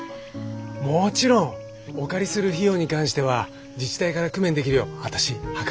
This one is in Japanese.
もちろんお借りする費用に関しては自治体から工面できるよう私計らいますんで。